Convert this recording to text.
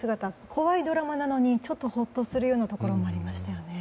怖いドラマなのにちょっとほっとするようなところもありましたよね。